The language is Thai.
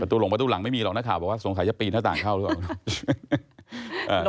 ตูหลงประตูหลังไม่มีหรอกนักข่าวบอกว่าสงสัยจะปีนหน้าต่างเข้าหรือเปล่า